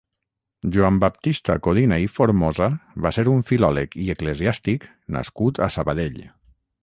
Joan Baptista Codina i Formosa va ser un filòleg i eclesiàstic nascut a Sabadell.